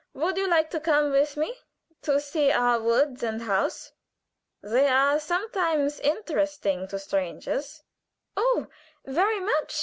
Would you like to come with me to see our woods and house? They are sometimes interesting to strangers." "Oh, very much!"